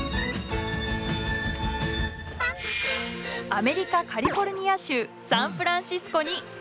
アメリカ・カリフォルニア州サンフランシスコにようこそ。